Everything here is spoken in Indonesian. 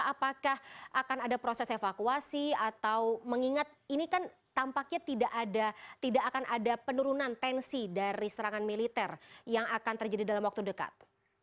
apakah akan ada proses evakuasi atau mengingat ini kan tampaknya tidak akan ada penurunan tensi dari serangan militer yang akan terjadi dalam waktu dekat